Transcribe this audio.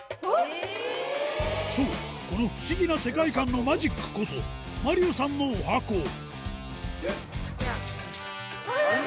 そうこの不思議な世界観のマジックこそマリオさんのおはこあれ？